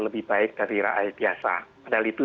lebih baik dari rakyat biasa padahal itu